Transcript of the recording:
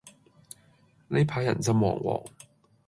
呢排人心惶惶